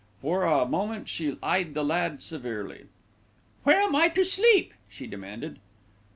For a moment she eyed the lad severely. "Where am I to sleep?" she demanded.